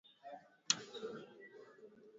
katika Mji wa Utete yalipo Makao Makuu ya wilaya